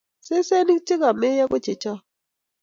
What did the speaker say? Sesenik chegameyo kochechok